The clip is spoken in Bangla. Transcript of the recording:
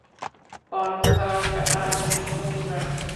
কনসার্ট আগামী শনিবার।